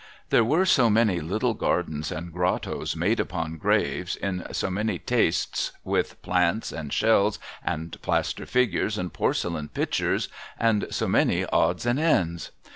There were so many little gardens and grottoes made upon graves, in so many tastes, with plants and shells and plaster figures and porcelain pitchers, and so many odds and ends